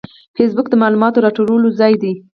فېسبوک د معلوماتو د راټولولو ځای دی